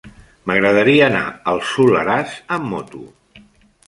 M'agradaria anar al Soleràs amb moto.